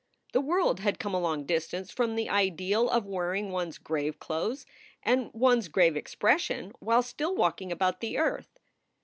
The world had come a long distance from the ideal of wearing one s graveclothes and one s grave expression while still walking about the earth.